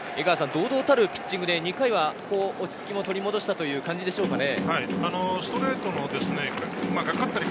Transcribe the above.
堂々たるピッチングで２回は落ち着きも取り戻したという感じでしょうかね。